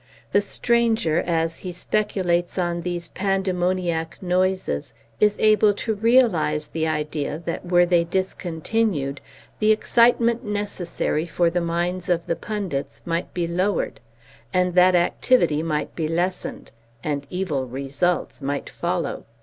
The stranger, as he speculates on these pandemoniac noises, is able to realise the idea that were they discontinued the excitement necessary for the minds of the pundits might be lowered, and that activity might be lessened, and evil results might follow.